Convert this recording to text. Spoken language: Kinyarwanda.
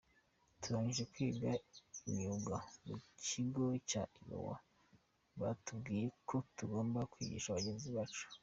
Turangije kwiga imyuga mu kigo cya Iwawa, batubwiye ko tugomba kwigisha bagenzi bacu.